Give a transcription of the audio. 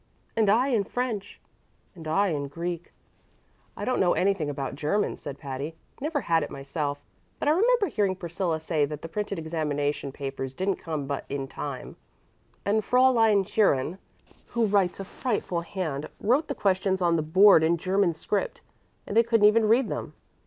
"And I in French." "And I in Greek." "I don't know anything about German," said Patty. "Never had it myself. But I remember hearing Priscilla say that the printed examination papers didn't come but in time, and Fräulein Scherin, who writes a frightful hand, wrote the questions on the board in German script, and they couldn't even read them.